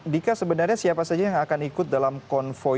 dika sebenarnya siapa saja yang akan ikut dalam konvoy